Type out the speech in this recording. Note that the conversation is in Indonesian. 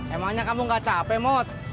emangnya kamu gak capek mot